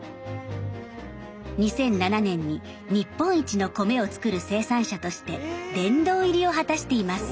２００７年に日本一の米を作る生産者として殿堂入りを果たしています。